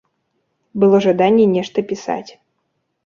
Было жаданне нешта пісаць.